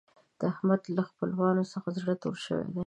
د احمد له خپلوانو څخه زړه تور شوی دی.